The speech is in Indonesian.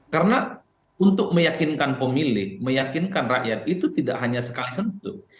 karena untuk meyakinkan pemilik meyakinkan rakyat itu tidak hanya sekali sentuh